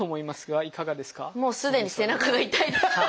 もうすでに背中が痛いです。